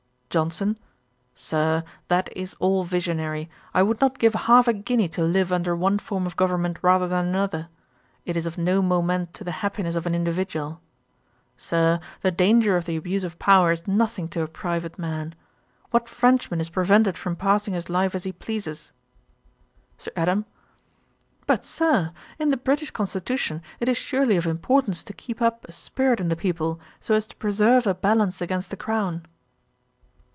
JOHNSON. 'Sir, that is all visionary. I would not give half a guinea to live under one form of government rather than another. It is of no moment to the happiness of an individual. Sir, the danger of the abuse of power is nothing to a private man. What Frenchman is prevented from passing his life as he pleases?' SIR ADAM. 'But, Sir, in the British constitution it is surely of importance to keep up a spirit in the people, so as to preserve a balance against the crown.'